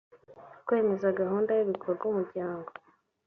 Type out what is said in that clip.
kwemeza gahunda y ibikorwa umuryango